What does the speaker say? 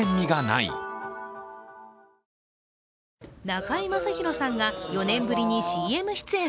中居正広さんが４年ぶりにＣＭ出演。